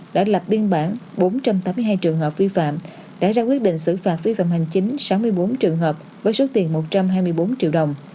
đã lập biên bản bốn trăm tám mươi hai trường hợp vi phạm đã ra quyết định xử phạt vi phạm hành chính sáu mươi bốn trường hợp với số tiền một trăm hai mươi bốn triệu đồng